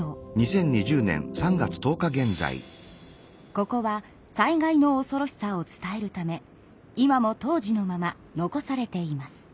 ここは災害のおそろしさを伝えるため今も当時のまま残されています。